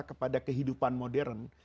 kepada kehidupan modern